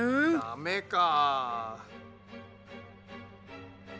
ダメか。